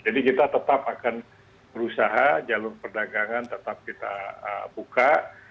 jadi kita tetap akan berusaha jalur perdagangan tetap kita buka